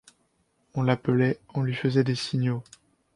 On l’appelait, on lui faisait des signaux !